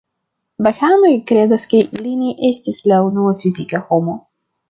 Bahaanoj kredas ke li ne estis la unua fizika homo.